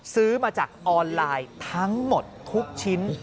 ซื้อมาจากออนไลน์ทั้งหมดทุกชิ้น